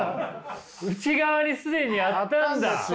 内側に既にあったんだ。